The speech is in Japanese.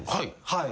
はい。